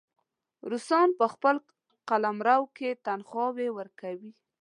روسان په خپل قلمرو کې تنخواوې ورکوي.